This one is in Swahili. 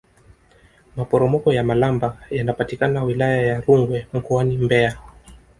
maporomoko ya malamba yanapatikana wilaya ya rungwe mkoani mbeya